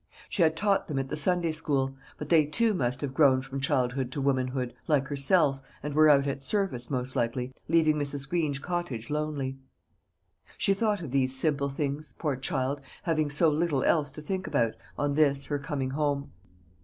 She had taught them at the Sunday school; but they too must have grown from childhood to womanhood, like herself, and were out at service, most likely, leaving Mrs. Green's cottage lonely. She thought of these simple things, poor child, having so little else to think about, on this, her coming home.